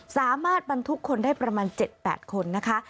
สามารถบรรทุกคนได้ประมาณ๗๘คนนะคะ